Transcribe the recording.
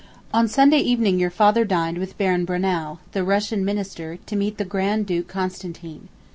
On Sunday evening your father dined with Baron Brunnow, the Russian Minister, to meet the Grand Duke Constantine.